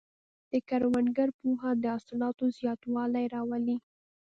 د کروندګر پوهه د حاصلاتو زیاتوالی راولي.